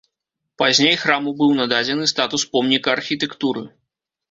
Пазней храму быў нададзены статус помніка архітэктуры.